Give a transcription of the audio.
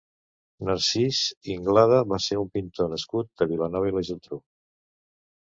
Narcís Inglada va ser un pintor nascut a Vilanova i la Geltrú.